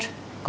có gì không có